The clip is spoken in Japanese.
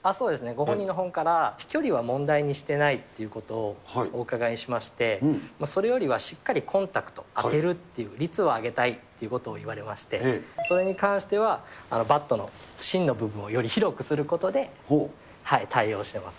ご本人のほうから飛距離は問題にしてないっていうことをおうかがいしまして、それよりはしっかりコンタクト、当てるっていう、率を上げたいっていうことを言われまして、それに関しては、バットの芯の部分をより広くすることで、対応しています。